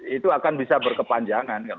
itu akan bisa berkepanjangan